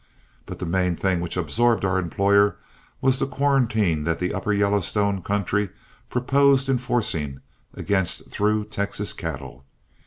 But the main thing which absorbed our employer was the quarantine that the upper Yellowstone country proposed enforcing against through Texas cattle.